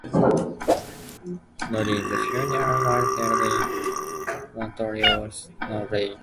Nolin's funeral was held in Montreal's Notre-Dame Basilica.